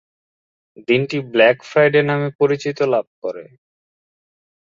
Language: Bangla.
দিনটি "ব্ল্যাক ফ্রাইডে" নামে পরিচিতি লাভ করে।